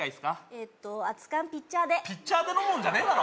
えっと熱かんピッチャーでピッチャーで飲むもんじゃねえだろ